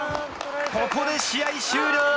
ここで試合終了。